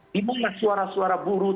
di mana suara suara buruh